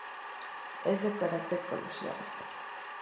Es de carácter colegiado.